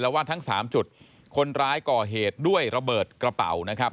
ว่าทั้งสามจุดคนร้ายก่อเหตุด้วยระเบิดกระเป๋านะครับ